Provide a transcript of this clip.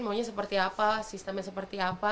maunya seperti apa sistemnya seperti apa